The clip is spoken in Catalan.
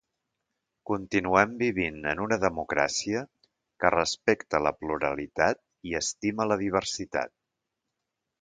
Continuem vivint en una democràcia que respecta la pluralitat i estima la diversitat.